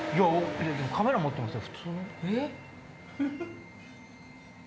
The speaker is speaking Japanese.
カメラ持ってますよ。